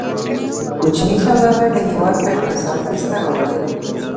کوچني سوداګر د هیواد په اقتصاد کې ستر رول لري.